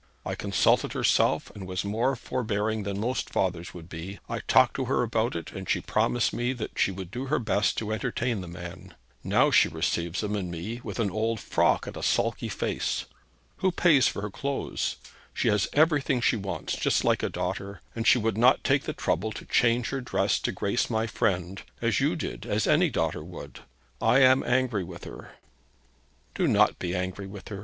I consulted herself, and was more forbearing than most fathers would be. I talked to her about it, and she promised me that she would do her best to entertain the man. Now she receives him and me with an old frock and a sulky face. Who pays for her clothes? She has everything she wants, just as a daughter, and she would not take the trouble to change her dress to grace my friend, as you did, as any daughter would! I am angry with her.' 'Do not be angry with her.